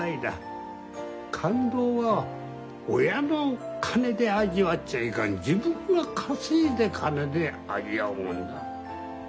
感動は親の金で味わっちゃいかん自分が稼いだ金で味わうもんだ。